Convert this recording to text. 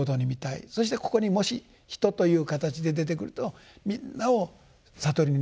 そしてここにもし人という形で出てくるとみんなを悟りに導きたいんだと。